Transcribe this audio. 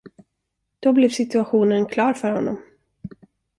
Då blev situationen klar för honom.